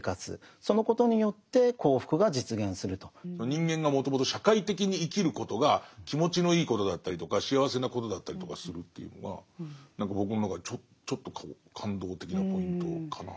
人間がもともと社会的に生きることが気持ちのいいことだったりとか幸せなことだったりとかするというのが僕の中でちょっと感動的なポイントかな。